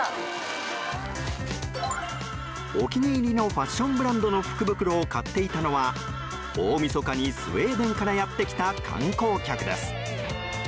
お気に入りのファッションブランドの福袋を買っていたのは大みそかにスウェーデンからやってきた観光客です。